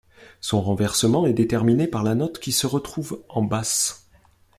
Son renversement est déterminé par la note qui se retrouve en basse.